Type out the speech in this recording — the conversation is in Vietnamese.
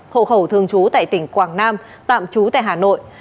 hộ khẩu thường trú tại tỉnh quảng nam tạm trú tại hà nội